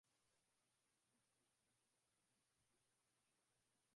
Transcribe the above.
Ya viwanda pia mito na maziwa ya Uchina